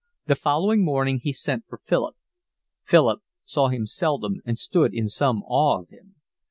The following morning he sent for Philip. Philip saw him seldom and stood in some awe of him.